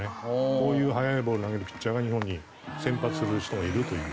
こういう速いボール投げるピッチャーが日本に先発する人がいるという。